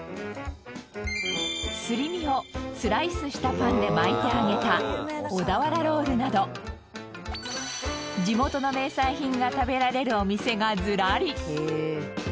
すり身をスライスしたパンで巻いて揚げた小田原ロールなど地元の名産品が食べられるお店がずらり。